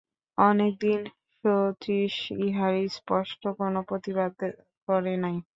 অনেক দিন শচীশ ইহার স্পষ্ট কোনো প্রতিবাদ করে নাই।